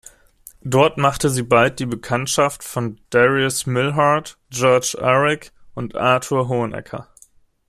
Dort machte sie bald die Bekanntschaft von Darius Milhaud, Georges Auric und Arthur Honegger.